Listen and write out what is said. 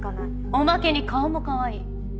おまけに顔もかわいい。